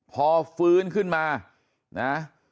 พอฟื้นขึ้นมานะ